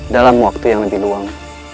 dalam waktu yang lebih luang